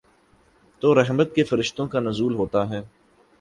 تو رحمت کے فرشتوں کا نزول ہوتا ہے۔